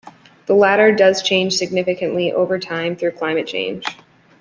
The latter does change significantly over time through climate change.